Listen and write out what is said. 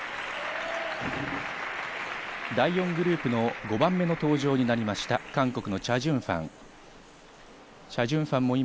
第４グループの５番目の登場になりました、韓国のチャ・ジュンファン。